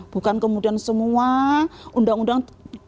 bukan kemudian semua undang undang